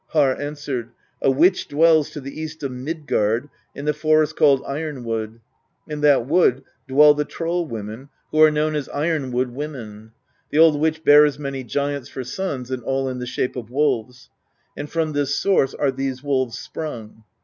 Harr answered: "A witch dwells to the east of Midgard, in the forest called Ironwood : in that wood dwell the troll women, who are known as Ironwood Women. The old witch bears many giants for sons, and all in the shape of wolves; and from this source are these wolves sprung.